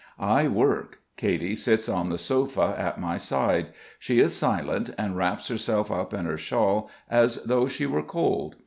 I work. Katy sits on the sofa at my side. She is silent, and wraps herself up in her shawl as though she were cold.